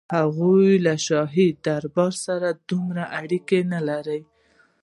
هغوی له شاهي دربار سره دومره اړیکې نه لرلې.